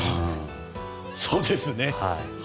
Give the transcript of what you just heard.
そうですね。